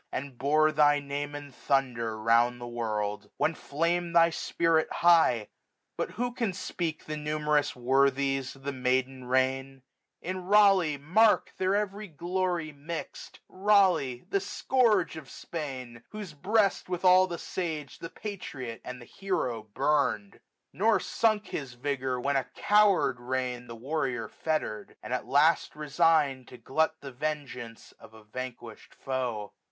And bore thy name in thunder round the world. 14.95 Then flam'd thy spirit high : but who can speak The numerous worthies of the Maiden Reign ? In Raleigh mark their every glory mix'd ; Raleigh, the scourge of Spain ! whose breast with all The sage, the patriot, and the hero burn*d, ,1500 p to6 SUMMER. Nor sunk his vigour, when a coward reign The warrior fettered ; and at last resigned. To glut the vengeance of a vanquished foe.